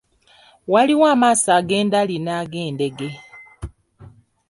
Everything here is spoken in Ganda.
Waliwo amaaso ag’endali n'ag’endege.